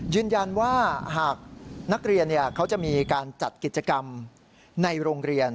หากนักเรียนเขาจะมีการจัดกิจกรรมในโรงเรียน